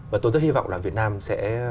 và tôi rất hi vọng là việt nam sẽ